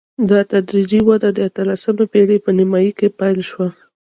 دا تدریجي وده د اتلسمې پېړۍ په نیمايي کې پیل شوه.